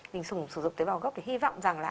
thì mình sử dụng tế bào gốc để hy vọng rằng là